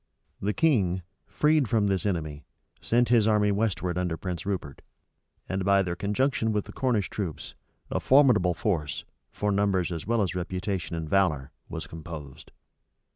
The king, freed from this enemy, sent his army westward under Prince Rupert; and, by their conjunction with the Cornish troops, a formidable force, for numbers as well as reputation and valor, was composed.